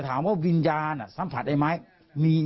ถามว่าวิญญาณสัมผัสได้ไหมมีจริงครับ